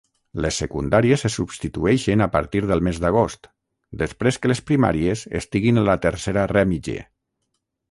Les secundàries se substitueixen a partir del mes d'agost, després que les primàries estiguin a la tercera rèmige.